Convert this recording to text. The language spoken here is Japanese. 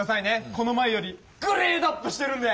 この前よりグレードアップしてるんで！